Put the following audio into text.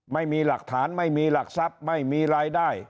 ไม่มีหลักฐานไม่มีหลักทรัพย์ไม่มีรายได้